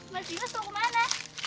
mas dimas mau kemana